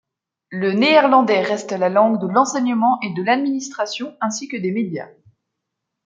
Le néerlandais reste la langue de l'enseignement et de l'administration, ainsi que des médias.